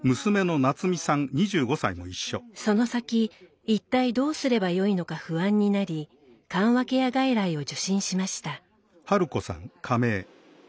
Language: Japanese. その先一体どうすればよいのか不安になり緩和ケア外来を受診しました。